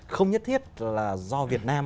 không nhất thiết là do việt nam